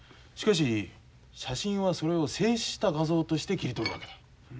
しかし写真はそれを静止した画像として切り取るわけだ。